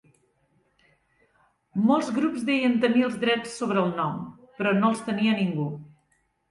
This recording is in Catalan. Molts grups deien tenir els drets sobre el nom, però no els tenia ningú.